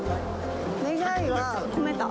願いは込めた。